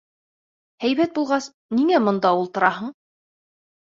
Һәйбәт булғас, ниңә бында ултыраһың?